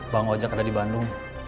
bang ojek ada di bandung